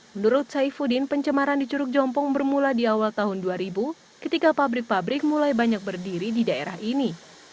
menurut saifuddin pencemaran di curug jompong bermula di awal tahun dua ribu ketika pabrik pabrik mulai banyak berdiri di daerah ini